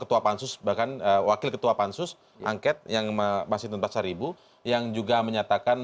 ketua pansus bahkan wakil ketua pansus angket yang masih tuntas ibu yang juga menyatakan